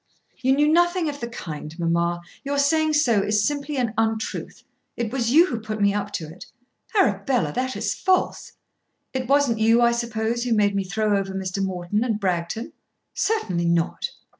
"You knew nothing of the kind, mamma, and your saying so is simply an untruth. It was you who put me up to it." "Arabella, that is false." "It wasn't you, I suppose, who made me throw over Mr. Morton and Bragton." "Certainly not."